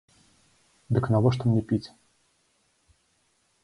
Дык навошта мне піць?